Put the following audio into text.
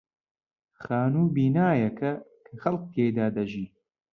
خانوو بینایەکە کە خەڵک تێیدا دەژین.